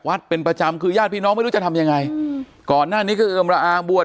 กันเป็นพจำคือย่างพี่น้องไม่รู้จะทำยังไงก่อนหน้านี้คืออำราอาป